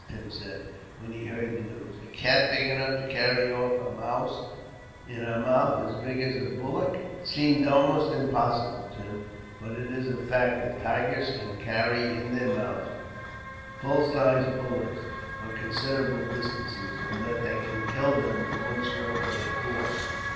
Tim said, when he heard the news; "a cat big enough to carry off a mouse in her mouth as big as a bullock." "It seems almost impossible, Tim, but it is a fact that tigers can carry in their mouths full sized bullocks, for considerable distances, and that they can kill them with one stroke of their paw.